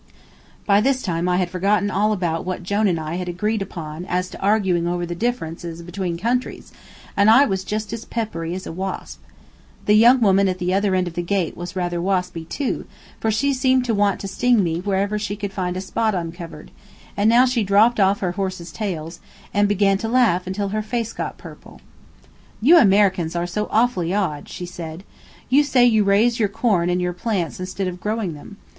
By this time I had forgotten all about what Jone and I had agreed upon as to arguing over the differences between countries, and I was just as peppery as a wasp. The young woman at the other end of the gate was rather waspy too, for she seemed to want to sting me wherever she could find a spot uncovered; and now she dropped off her horses' tails, and began to laugh until her face got purple. "You Americans are so awfully odd," she said. "You say you raise your corn and your plants instead of growing them.